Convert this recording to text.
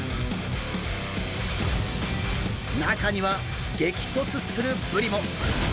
中には激突するブリも！